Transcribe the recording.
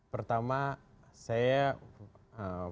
pertama saya very sportif dengan istana